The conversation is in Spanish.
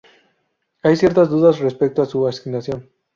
Hay ciertas dudas respecto a su asignación.